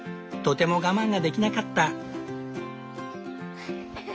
とても我慢ができなかった。